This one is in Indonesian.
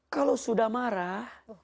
kalau sudah marah